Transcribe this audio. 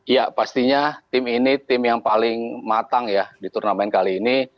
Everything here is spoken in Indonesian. ya pastinya tim ini tim yang paling matang ya di turnamen kali ini